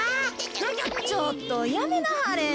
ちょっとやめなはれ。